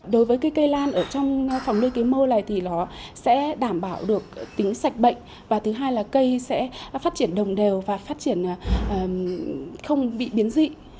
đối với cây lan ở trong phòng nuôi cái mô này thì nó sẽ đảm bảo được tính sạch bệnh và thứ hai là cây sẽ phát triển đồng đều và phát triển không bị biến dị